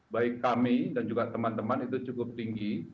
baik kami dan juga teman teman itu cukup tinggi